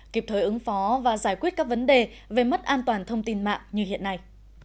kịp thời ứng phó và giải quyết các vấn đề về mất an toàn thông tin mạng như hiện nay